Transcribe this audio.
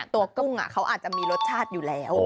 ตัวกุ้งอ่าเค้าอาจจะมีรสชาติอยู่แล้ว